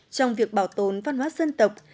trong việc bảo tồn văn hoá dân tộc